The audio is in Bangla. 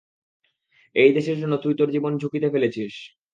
এই দেশের জন্য তুই তোর জীবন ঝুঁকিতে ফেলেছিস।